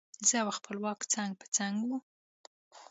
زه او خپلواک څنګ په څنګ وو.